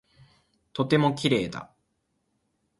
とても綺麗だ。